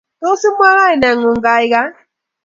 Tos, imwaa kainengung, gaigai?